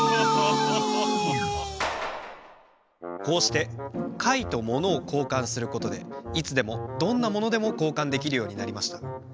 こうしてかいとものをこうかんすることでいつでもどんなものでもこうかんできるようになりました。